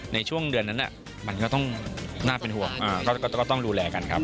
ในช่วงเดือนนั้นมันก็ต้องน่าเป็นห่วงก็ต้องดูแลกันครับ